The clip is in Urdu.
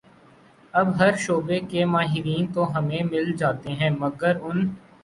اب ہر شعبے کے ماہرین تو ہمیں مل جاتے ہیں مگر ان